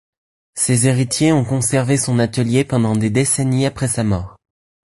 Ses héritiers ont conservé son atelier pendant des décennies après sa mort.